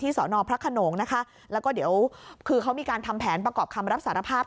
สอนอพระขนงนะคะแล้วก็เดี๋ยวคือเขามีการทำแผนประกอบคำรับสารภาพ